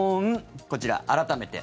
こちら、改めて。